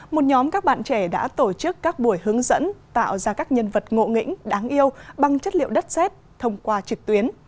một nhóm các bạn trẻ đã tổ chức các buổi hướng dẫn tạo ra các nhân vật ngộ nghĩnh đáng yêu bằng chất liệu đất xét thông qua trực tuyến